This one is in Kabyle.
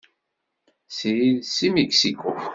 Srid seg Mixico.